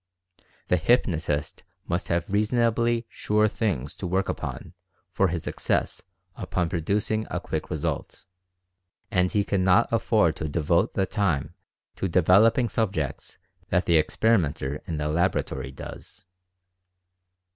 The hypnotist must have reasonably "sure things" to work upon for his success upon pro ducing a quick result, and he cannot afford to devote the time to "developing" subjects that the experi menter in the laboratory does.